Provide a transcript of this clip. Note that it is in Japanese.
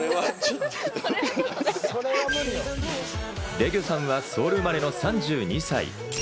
デギョさんはソウル生まれの３２歳。